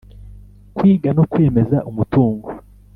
Kwiga no kwemeza umutungo